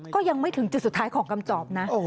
ก็ยังไม่ถึงจุดสุดท้ายของกำจอบนะ